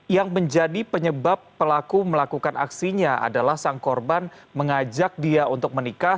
yang menjadi penyebab pelaku melakukan aksinya adalah sang korban mengajak dia untuk menikah